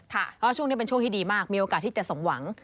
เพราะว่าช่วงนี้เป็นช่วงที่ดีมากมีโอกาสที่จะสมหวัง